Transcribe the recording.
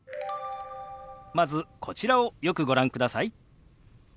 まずこちらをよくご覧ください。